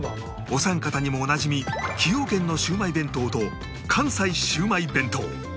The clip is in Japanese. お三方にもおなじみ崎陽軒のシウマイ弁当と関西シウマイ弁当